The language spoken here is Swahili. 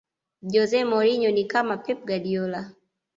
jose mourinho ni kama pep guardiola